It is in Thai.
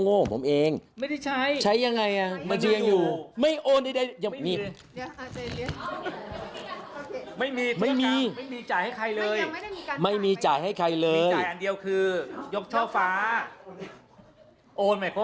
โอนใหม่เพราะว่าโอน